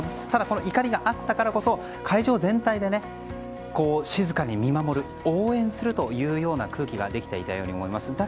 ただこの怒りがあったからこそ会場全体で静かに見守る応援するというような空気ができていたように思います。